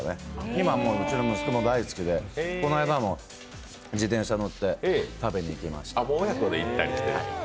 今はうちの息子も大好きでこの間も自転車に乗って食べにいきました。